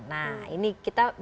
nah ini kita lihat